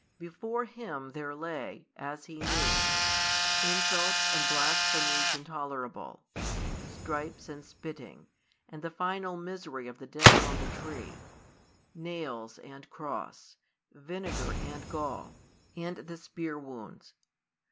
Before Him there lay, as He knew, insults and blasphemies intolerable, stripes and spitting, and the final misery of the death on the tree; nails and cross, vinegar and gall, and the spear wounds.